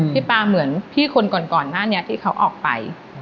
ปลาเหมือนพี่คนก่อนหน้านี้ที่เขาออกไป